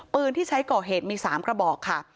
ปืนที่ใช้ก่อเหตุมี๓กระบอกค่ะ